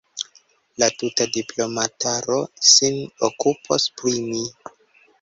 La tuta diplomataro sin okupos pri mi.